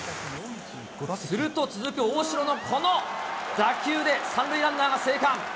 すると続く大城のこの打球で、３塁ランナーが生還。